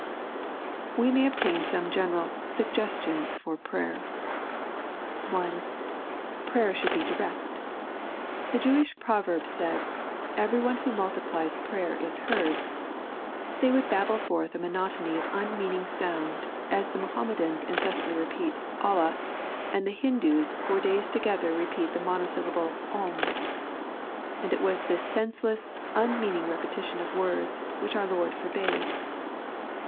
We may obtain some general BUOassnoins fob prater. (1) Prayer should be dtnU. The Jewish proverb said, " Everyone who multiplies prayer is heard." They would babble forth a monotony of unmeaning sound, as the Mohammedans incessantly repeat, " Allah," and the Hindoos for days together repeat the monosyllable, " Om," And it was this senseless, unmeaning repetition of words which our Lord forbade.